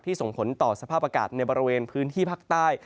ส่งผลต่อสภาพอากาศในบริเวณพื้นที่ภาคใต้